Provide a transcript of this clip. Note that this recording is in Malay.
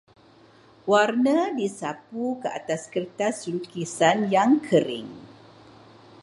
Warna disapu ke atas kertas lukisan yang kering.